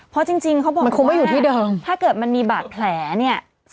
เพราะจริงเขาบอกว่าแหละถ้าเกิดมันมีบาดแผลเนี่ยมันคงไม่อยู่ที่เดิม